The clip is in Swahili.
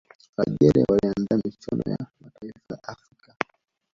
algeria waliandaa michuano ya mataifa ya afrika